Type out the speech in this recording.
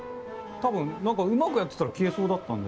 多分何かうまくやってたら消えそうだったんで。